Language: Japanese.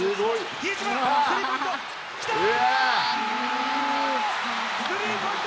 比江島、スリーポイント。